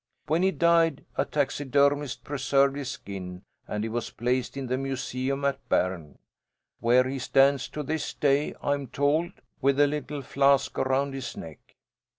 When he died, a taxidermist preserved his skin, and he was placed in the museum at Berne, where he stands to this day, I am told, with the little flask around his neck.